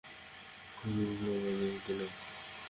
তুই খেলায় মনোযোগ দে না?